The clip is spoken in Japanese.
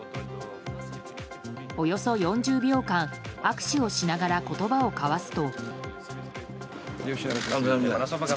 およそ４０秒間握手をしながら言葉を交わすと。